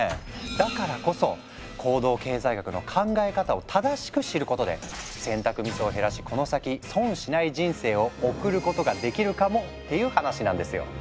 だからこそ行動経済学の考え方を正しく知ることで選択ミスを減らしこの先損しない人生を送ることができるかもっていう話なんですよ。